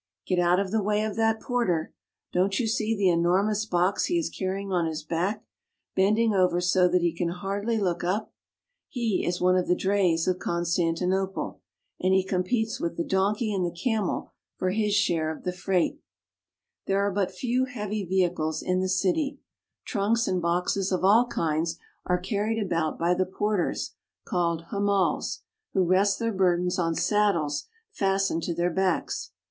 Get out of the way of that porter! Don't you see the enormous box he is carrying on his back, bending over so that he can hardly look up ? He is one of the drays of Constantinople, and he competes with the donkey and the camel for his share of the freight. There are but few heavy vehicles in the •we see that each wears a veil.' 368 TURKEY. — as much as five hundred pounds." city. Trunks and boxes of all kinds are carried about by the porters, called hamals (ha mals'), who rest their bur ly dens on saddles fastened to their backs.